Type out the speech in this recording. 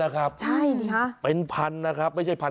พันนะครับใช่เลยค่ะเป็นพันนะครับไม่ใช่พัน